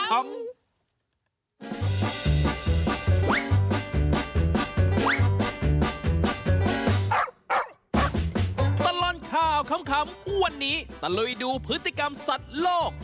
ตลอดข่าวขำวันนี้ตะลุยดูพฤติกรรมสัตว์โลก